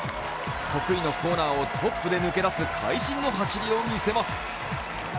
得意のコーナーをトップで抜け出す会心の走りを見せます。